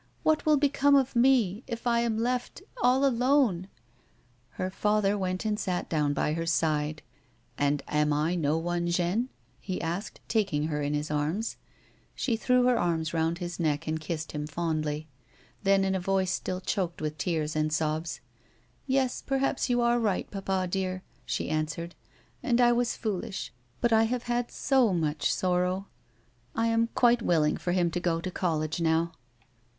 What will become of me — if I am left — all alone now ?" Her father went and sat down by her side. " And am I no one, Jeanne 1 " he asked, taking her in his arms. She threw her arms round his neck, and kissed him fondly. Then in a voice still choked with tears and sobs :" Yes, perhaps you are right, papa dear," she answered ;" and I was foolish ; but I have had so much sorrow. I am quite willing for him to go to college now."